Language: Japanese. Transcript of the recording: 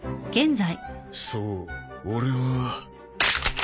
そう俺は。